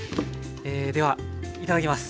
ではいただきます。